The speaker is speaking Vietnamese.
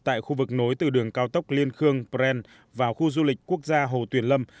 tại khu vực nối từ đường cao tốc liên khương brand vào khu du lịch quốc gia hồ tuyền lâm